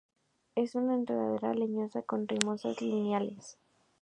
Es una enredadera leñosa con rizomas lineales.